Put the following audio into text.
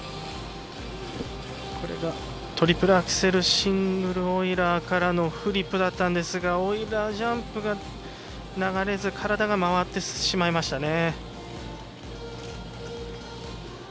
これがトリプルアクセル、シングルオイラーからのフリップだったんですが、オイラージャンプが流れず体が回ってしまいましたね。